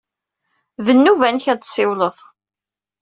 D nnuba-nnek ad tessiwleḍ!